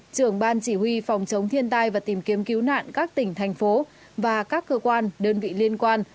trưởng ban chỉ huy phòng chống thiên tai và tìm kiếm cứu nạn các tỉnh thành phố và các cơ quan đơn vị liên quan